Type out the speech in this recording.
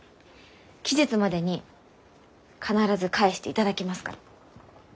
期日までに必ず返していただきますから。